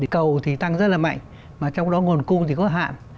cầu thì tăng rất là mạnh mà trong đó nguồn cung thì có hạn